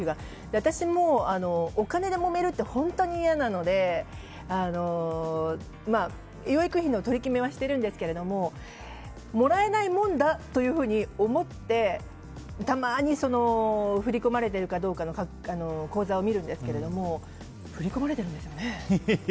私もお金でもめるって本当に嫌なので養育費の取り決めはしているんですけどもらえないものだというふうに思ってたまに振り込まれているかどうか口座を見るんですけど振り込まれているんですよね。